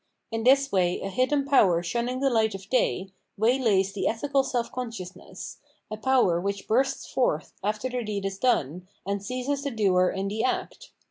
In tMs way a Mdden power shunning the light of day, waylays the etMcal self consciousness, a power wMch bursts forth after the deed is done, and seizes the doer in the act.